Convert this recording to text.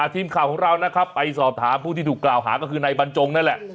ทีมข่าวของเรานะครับไปสอบถามผู้ที่ถูกกล่าวหาก็คือนายบรรจงนั่นแหละ